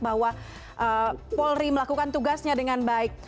bahwa polri melakukan tugasnya dengan baik